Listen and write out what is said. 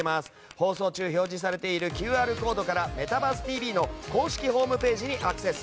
放送中表示されているＱＲコードから「メタバースＴＶ！！」の公式ホームページにアクセス。